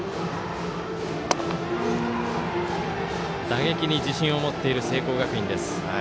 打撃に自信を持っている聖光学院。